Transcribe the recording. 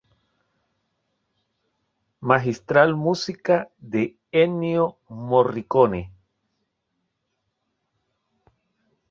Magistral música de Ennio Morricone.